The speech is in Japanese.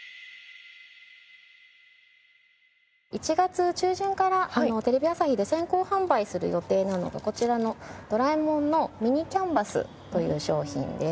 １月中旬からテレビ朝日で先行販売する予定なのがこちらの『ドラえもん』のミニキャンバスという商品です。